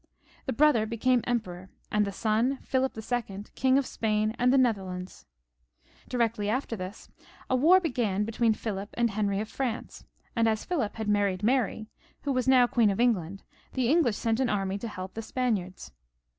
The brother became Emperor, and the son Philip II., King of Spain and of the Netherlands, Directly after this a war began between Philip and Henry of France, and as Philip had married Mary, who was now Queen of England, the English sent an army to help the Spaniards.